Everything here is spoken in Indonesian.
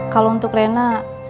kalau untuk reina